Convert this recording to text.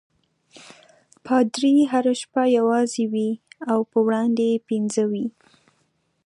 پادري هره شپه یوازې وي او په وړاندې یې پنځه وي.